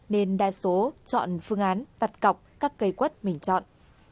nên đa số chọn phương án đặt cọc các cây quất mình chọn